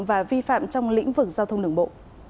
và vi phạm trong lĩnh vực giao thông đường bộ